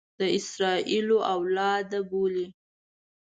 د اسراییلو اولاده بولي.